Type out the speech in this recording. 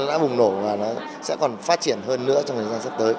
đã bùng nổ và nó sẽ còn phát triển hơn nữa trong thời gian sắp tới